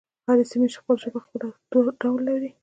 د هرې سیمې ژبه خپل ډول لري.